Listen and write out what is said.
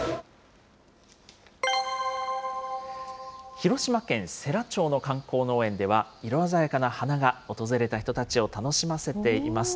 広島県世羅町の観光農園では、色鮮やかな花が訪れた人たちを楽しませています。